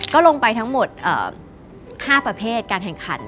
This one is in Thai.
ก็ลงไปทั้งหมด๕ประเภทการแข่งขัน